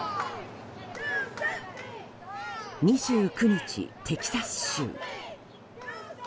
２９日、テキサス州。